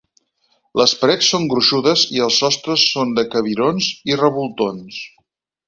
Les parets són gruixudes i els sostres són de cabirons i revoltons.